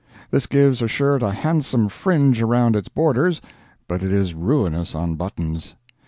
This gives a shirt a handsome fringe around its borders, but it is ruinous on buttons.